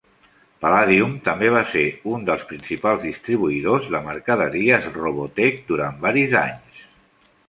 Palladium també va ser un dels principals distribuïdors de mercaderies "Robotech" durant varis anys.